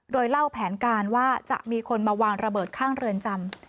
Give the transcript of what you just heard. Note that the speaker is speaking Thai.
โดยเล่าแผนการว่าจะมีคนมาวางระเบิดข้างเรือนจำ